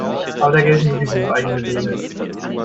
Aber da gelten sowieso eigene Regeln.